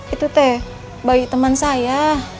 itu teh bayi teman saya